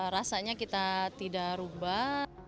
rasanya kita tidak rubah